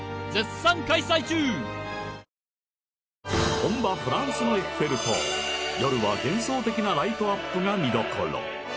本場・フランスのエッフェル塔夜は幻想的なライトアップが見どころ